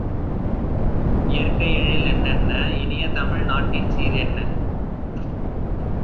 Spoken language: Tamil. இயற்கைஎழில் என்னென்ன? இனியதமிழ் நாட்டின்சீர் என்ன?